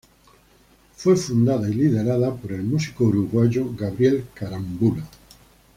Fue fundada y liderada por el músico uruguayo Gabriel Carámbula.